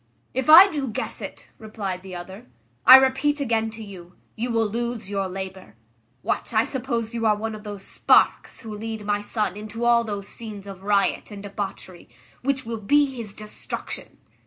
"If I do guess it," replied the other, "I repeat again to you, you will lose your labour. What, I suppose you are one of those sparks who lead my son into all those scenes of riot and debauchery, which will be his destruction?